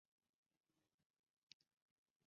科朗西。